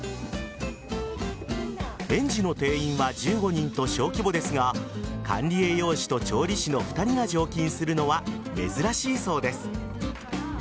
園児の定員は１５人と小規模ですが管理栄養士と調理師の２人が常勤するのは珍しいそうです。